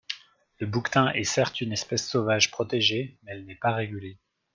Le bouquetin est certes une espèce sauvage protégée, mais elle n’est pas régulée.